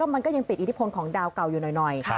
มันก็ยังติดอิทธิพลของดาวเก่าอยู่หน่อย